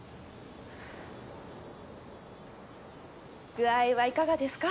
具合はいかがですか？